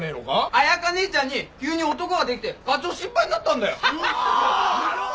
彩佳ねえちゃんに急に男ができて課長心配になったんだよ。